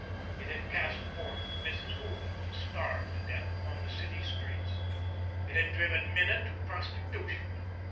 It had cast forth Mrs. Hooven to starve to death upon the City streets. It had driven Minna to prostitution.